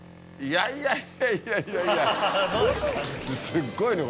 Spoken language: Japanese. すっごいね